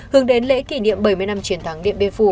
hướng đến lễ kỷ niệm bảy mươi năm chiến thắng điện biên phủ